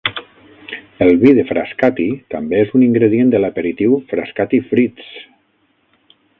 El vi de Frascati també és un ingredient de l'aperitiu Frascati Frizz.